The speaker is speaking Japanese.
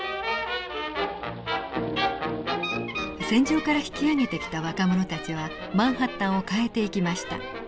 戦場から引き揚げてきた若者たちはマンハッタンを変えていきました。